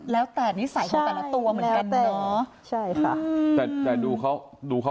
แล้วแต่นิสัยของแต่ละตัวเหมือนกันเนอะ